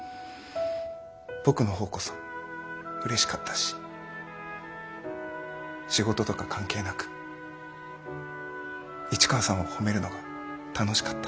僕のほうこそうれしかったし仕事とか関係なく市川さんを褒めるのが楽しかった。